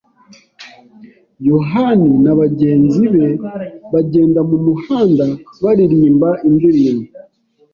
yohani na bagenzi be bagenda mumuhanda, baririmba indirimbo.